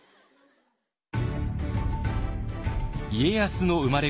家康の生まれ